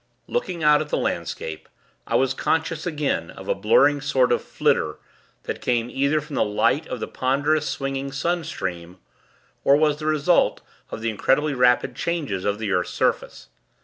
Looking out at the landscape, I was conscious again, of a blurring sort of 'flitter,' that came either from the light of the ponderous swinging sun stream, or was the result of the incredibly rapid changes of the earth's surface.